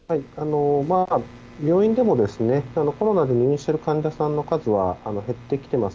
病院でもコロナで入院してる患者さんの数は減ってきてます。